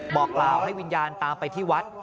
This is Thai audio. บอกกล่าวให้วิญญาณตามไปที่วัด